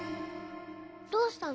どうしたの？